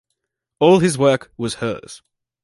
All his work was hers.